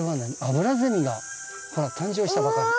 アブラゼミが誕生したばかり。